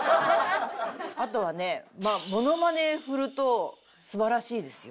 あとはねモノマネ振ると素晴らしいですよ。